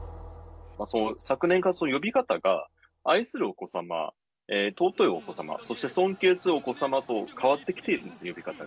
昨年から呼び方が、愛するお子様、尊いお子様、そして尊敬するお子様と変わってきてるんです、呼び方が。